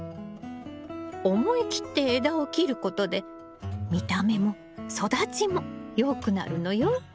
思い切って枝を切ることで見た目も育ちもよくなるのよ。